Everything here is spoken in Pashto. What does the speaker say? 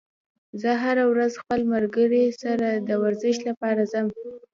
زه هره ورځ خپل ملګري سره د ورزش لپاره ځم